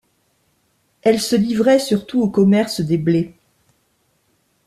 Elle se livrait surtout au commerce des blés.